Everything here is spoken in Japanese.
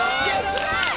・すごい！